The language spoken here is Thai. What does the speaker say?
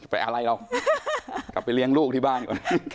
อะไรเรากลับไปเลี้ยงลูกที่บ้านก่อน